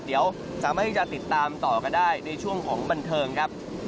เดี๋ยวสามารถที่จะติดตามต่อกันได้ในช่วงของบันเทิงครับ